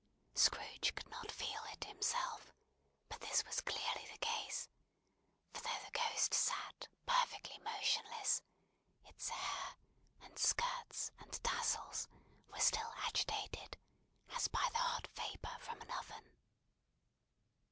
Scrooge could not feel it himself, but this was clearly the case; for though the Ghost sat perfectly motionless, its hair, and skirts, and tassels, were still agitated as by the hot vapour from an oven.